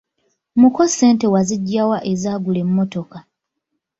Muko ssente wazigya wa ezaagula emmotoka?